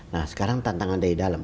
nah sekarang tantangan dari dalam